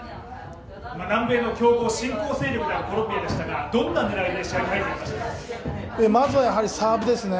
南米の強豪、新興勢力コロンビアが相手でしたがどんな狙いで試合に入っていきましたか？